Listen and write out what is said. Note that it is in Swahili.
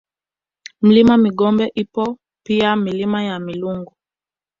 Mlima Migombe ipo pia Milima ya Milungu